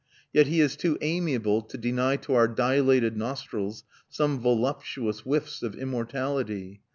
Yet he is too amiable to deny to our dilated nostrils some voluptuous whiffs of immortality.